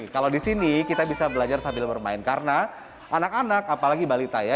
kalau di sini kita bisa belajar sambil bermain karena anak anak apalagi balita ya